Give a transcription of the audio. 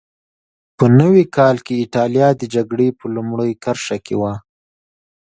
په نوي کال کې اېټالیا د جګړې په لومړۍ کرښه کې وه.